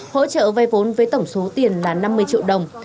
hỗ trợ vay vốn với tổng số tiền là năm mươi triệu đồng